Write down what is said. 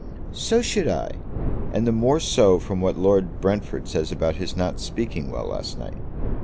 "So should I, and the more so from what Lord Brentford says about his not speaking well last night.